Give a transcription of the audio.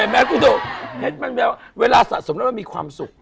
เห็นมั้ยกูดูเวลาสะสมแล้วมันมีความสุข